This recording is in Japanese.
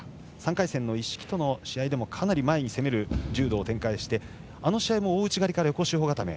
３回戦の一色との試合でもかなり前に攻める柔道を展開してあの試合も大内刈りから横四方固め。